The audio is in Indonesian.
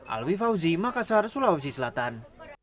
alwi fauzi makassar sulawesi selatan